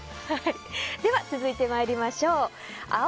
では、続いて参りましょう。